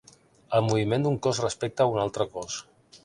El moviment d'un cos respecte a un altre cos.